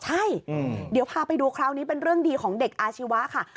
ใช่เดี๋ยวพาไปดูคราวนี้เป็นเรื่องดีของเด็กอาชีวะค่ะ